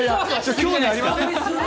興味ありません？